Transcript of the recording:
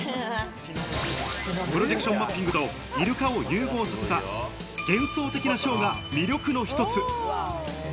プロジェクションマッピングとイルカを融合させた幻想的なショーが魅力の一つ。